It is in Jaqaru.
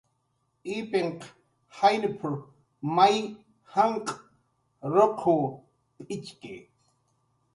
"Ipinhq jaynp""r may janq' ruqw p'itxki"